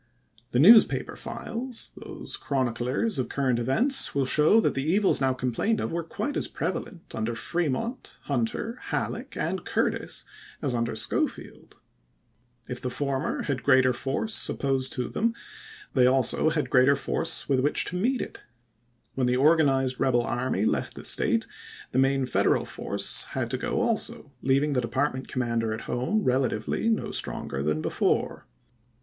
The news paper files, those chroniclers of current events, will show that the e%aLs now complained of were quite as prevalent under Fremont, Hunter, Halleck and Curtis, as under 222 ABRAHAM LINCOLN CHAP. VIII. Schofield. If the former had greater force opposed to them, they also had greater force with which to meet it. When the organized rebel army left the State, the main Federal force had to go also, leaving the department commander at home relatively no stronger than before.